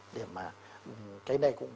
để mà cái này cũng